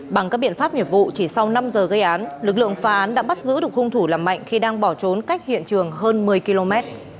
bằng các biện pháp nghiệp vụ chỉ sau năm giờ gây án lực lượng phá án đã bắt giữ được hung thủ là mạnh khi đang bỏ trốn cách hiện trường hơn một mươi km